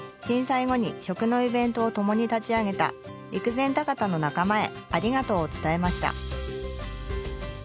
震災後に食のイベントを共に立ち上げた陸前高田の仲間へありがとうを伝えました。